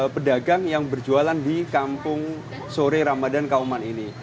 sekitar lima puluh lima puluh lima pedagang yang berjualan di kampung sore ramadhan kauman ini